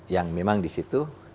yang memang disitu